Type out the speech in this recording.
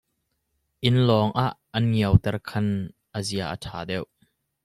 Inn lawng ah an ngiao ter khan a zia a ṭha deuh.